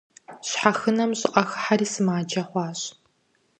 Щхьэхынэм щӀыӀэ хыхьэри сымаджэ хъуащ.